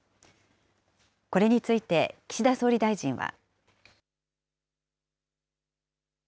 これについて、岸田総理大臣は。